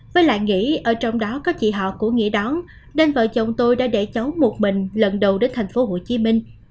với lại nghĩa ở trong đó có chị họ của nghĩa đón nên vợ chồng tôi đã để cháu một mình lần đầu đến tp hcm